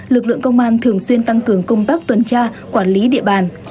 lực lượng công an thường xuyên tăng cường công tác tuần tra quản lý địa bàn